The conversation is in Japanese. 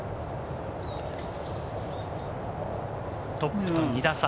トップと２打差。